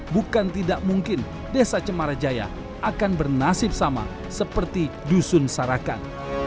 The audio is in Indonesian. bukan tidak mungkin desa cemarajaya akan bernasib sama seperti dusun sarakan